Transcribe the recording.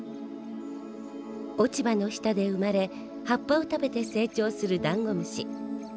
落ち葉の下で生まれ葉っぱを食べて成長するダンゴムシ。